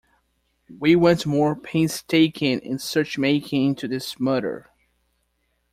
We want more painstaking and search-making into this murder.